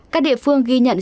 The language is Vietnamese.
các địa phương ghi nhận